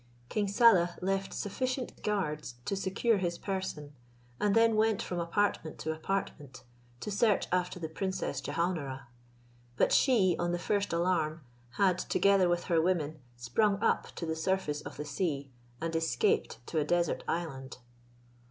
King Saleh left sufficient guards to secure his person, and then went from apartment to apartment, to search after the Princess Jehaun ara. But she, on the first alarm, had, together with her women, sprung up to the surface of the sea, and escaped to a desert island.